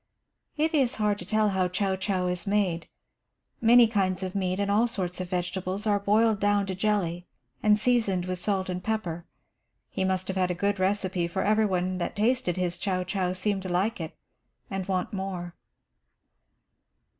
It is hard to tell how chouchou is made. Many kinds of meat and all sorts of vegetables are boiled down to jelly and seasoned with salt and pepper. He must have had a good recipe, for every one that tasted his chouchou seemed to like it and want more.